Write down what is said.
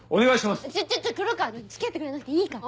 ちょちょっ黒川付き合ってくれなくていいから。